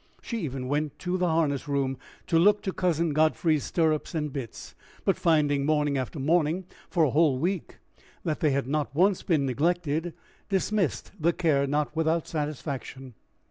She even went to the harness room to look to Cousin Godfrey's stirrups and bits; but finding, morning after morning for a whole week, that they had not once been neglected, dismissed the care not without satisfaction.